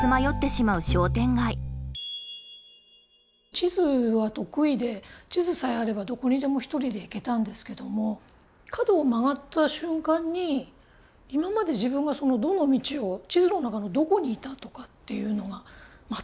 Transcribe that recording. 地図は得意で地図さえあればどこにでも一人で行けたんですけども角を曲がった瞬間に今まで自分がどの道を地図の中のどこにいたとかっていうのが全く分からなくなってしまったり。